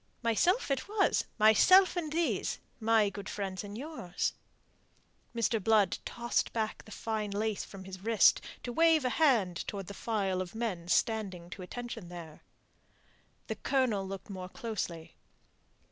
"Myself it was myself and these, my good friends and yours." Mr. Blood tossed back the fine lace from his wrist, to wave a hand towards the file of men standing to attention there. The Colonel looked more closely.